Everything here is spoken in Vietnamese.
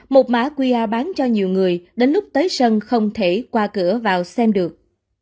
một mạ qia bán cho nhiều người đến lúc tới sân không thể qua cửa vào xem được